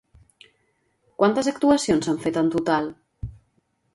Quantes actuacions s'han fet en total?